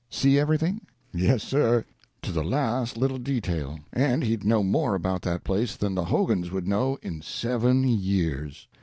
See everything? Yes, sir, to the last little detail; and he'll know more about that place than the Hogans would know in seven years.